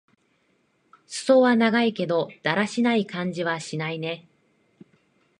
すそは長いけど、だらしない感じはしないね。